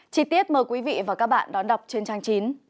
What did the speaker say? chí tiết mời quý vị và các bạn đón đọc trên trang chín